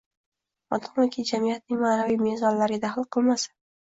— madomiki jamiyatning ma’naviy mezonlariga daxl qilmasa